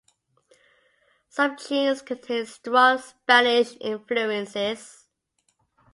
Some tunes contain strong Spanish influences.